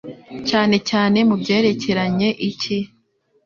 cyane cyane mu byerekeranye icyi